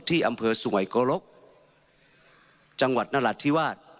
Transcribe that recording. ที่อำเภอสวยโกรกจังหวัดนรัฐธิวาส